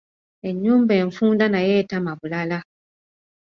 Ennyumba enfunda nayo etama bulala!